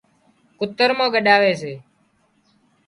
ڪُتر مان ڳڏاوي سي